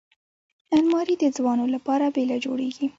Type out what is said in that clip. الماري د ځوانو لپاره بېله جوړیږي